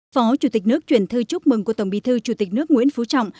phó chủ tịch nước chuyển thư chúc mừng của tổng bí thư chủ tịch nước nguyễn phú trọng